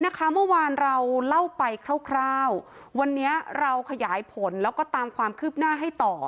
เมื่อวานเราเล่าไปคร่าววันนี้เราขยายผลแล้วก็ตามความคืบหน้าให้ต่อ